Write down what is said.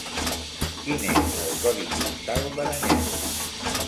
Quin és el codi postal d'Aranyel?